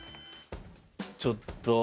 ちょっと。